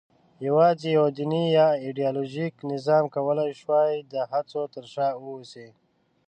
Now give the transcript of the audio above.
یواځې یوه دیني یا ایدیالوژیک نظام کولای شوای د هڅو تر شا واوسي.